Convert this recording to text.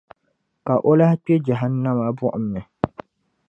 Ka o lahi kpe Jahannama buɣum ni.